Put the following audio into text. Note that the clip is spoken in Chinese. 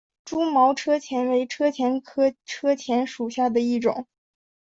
蛛毛车前为车前科车前属下的一个种。